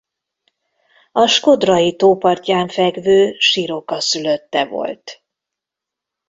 A Shkodrai-tó partján fekvő Shiroka szülötte volt.